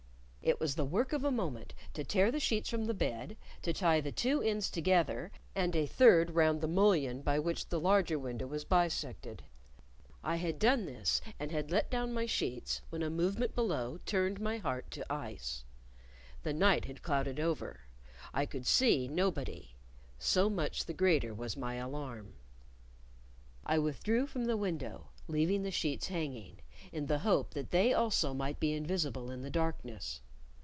It was the work of a moment to tear the sheets from the bed, to tie the two ends together and a third round the mullion by which the larger window was bisected. I had done this, and had let down my sheets, when a movement below turned my heart to ice. The night had clouded over. I could see nobody; so much the greater was my alarm. I withdrew from the window, leaving the sheets hanging, in the hope that they also might be invisible in the darkness.